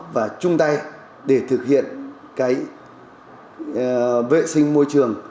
và chung tay để thực hiện cái vệ sinh môi trường